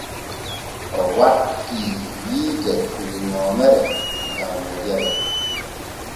O wattii hiite der nyoomere gam wojere.